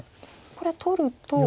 これ取ると。